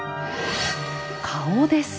顔です。